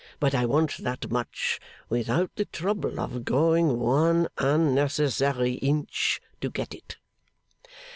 But I want that much without the trouble of going one unnecessary inch to get it.